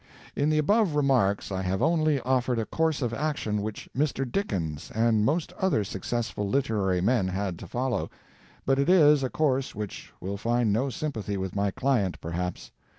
In the above remarks I have only offered a course of action which Mr. Dickens and most other successful literary men had to follow; but it is a course which will find no sympathy with my client, perhaps.